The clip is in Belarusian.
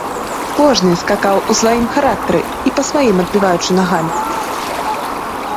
Кожны скакаў у сваім характары і па сваім адбіваючы нагамі.